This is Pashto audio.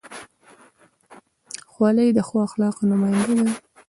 خولۍ د ښو اخلاقو نماینده ده.